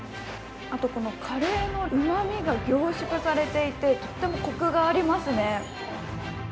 あと、このカレーのうまみが凝縮されていてとてもコクがありますね。